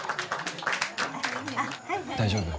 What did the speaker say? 大丈夫？